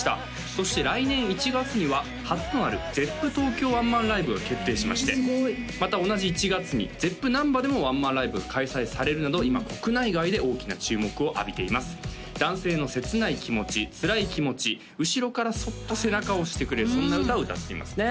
そして来年１月には初となるＺｅｐｐＴＯＫＹＯワンマンライブが決定しましてまた同じ１月にＺｅｐｐＮａｍｂａでもワンマンライブが開催されるなど今国内外で大きな注目を浴びています男性の切ない気持ちつらい気持ち後ろからそっと背中を押してくれるそんな歌を歌っていますね